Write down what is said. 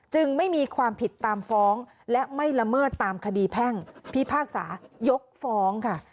จึงไม่มีความผิดตามฟ้องและไม่ละเมิดตามคดีแพ่งพิพากษายกฟ้องค่ะ